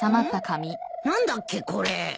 何だっけこれ。